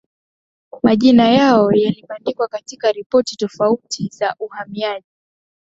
majina yao yalibandikwa katika ripoti tofauti za uhamiaji